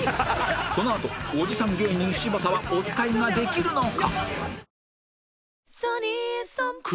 このあとおじさん芸人柴田はおつかいができるのか？